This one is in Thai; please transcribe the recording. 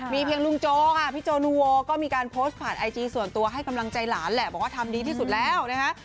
เพียงลุงโจค่ะพี่โจนูโวก็มีการโพสต์ผ่านไอจีส่วนตัวให้กำลังใจหลานแหละบอกว่าทำดีที่สุดแล้วนะคะ